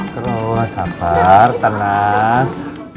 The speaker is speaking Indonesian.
terus sabar tenang